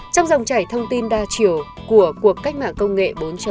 trong dòng chảy thông tin đa chiều của cuộc cách mạng công nghệ bốn